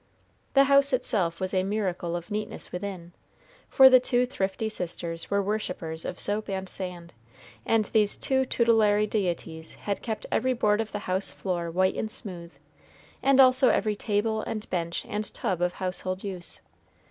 The house itself was a miracle of neatness within, for the two thrifty sisters were worshipers of soap and sand, and these two tutelary deities had kept every board of the house floor white and smooth, and also every table and bench and tub of household use.